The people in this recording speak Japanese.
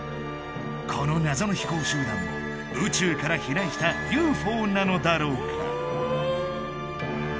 この謎の飛行集団も宇宙から飛来したＵＦＯなのだろうか？